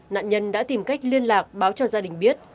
nạn nhân đã tìm cách liên lạc báo cho gia đình biết